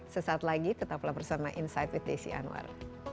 sesaat lagi tetaplah bersama insight with desi anwar